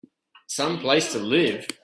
Some place to live!